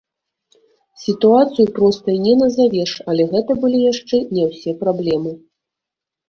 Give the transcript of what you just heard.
Сітуацыю простай не назавеш, але гэта былі яшчэ не ўсе праблемы.